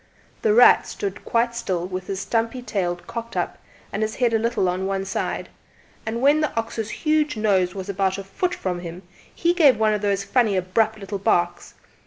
"The Rat" stood quite still with his stumpy tail cocked up and his head a little on one side, and when the huge ox's nose was about a foot from him he gave one of those funny abrupt little barks.